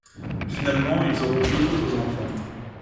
Finalement, ils auront deux autres enfants.